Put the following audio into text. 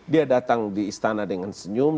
dia datang di istana dengan senyum